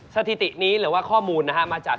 สถิตินี้หรือว่าข้อมูลนะฮะมาจาก